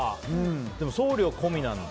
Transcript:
でも送料込みなので。